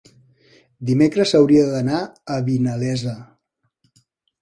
Dimecres hauria d'anar a Vinalesa.